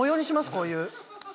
こういう。